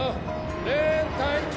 レーン隊長！